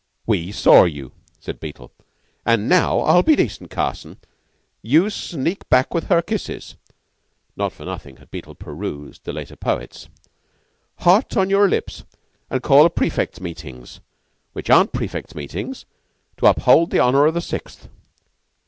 "We saw you!" said Beetle. "And now I'll be decent, Carson you sneak back with her kisses" (not for nothing had Beetle perused the later poets) "hot on your lips and call prefects' meetings, which aren't prefects' meetings, to uphold the honor of the Sixth."